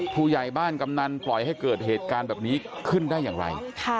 ผู้ใหญ่บ้านกำนันปล่อยให้เกิดเหตุการณ์แบบนี้ขึ้นได้อย่างไร